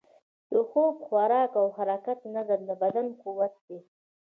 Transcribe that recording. د خوب، خوراک او حرکت نظم، د بدن قوت دی.